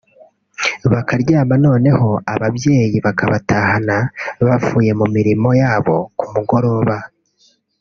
bakaryama noneho ababyeyi bakabatahana bavuye mu mirimo yabo ku mugoroba